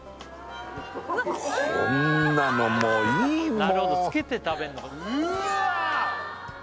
こんなのもういいもう鶏